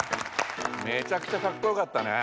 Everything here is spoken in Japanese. めちゃくちゃかっこよかったね！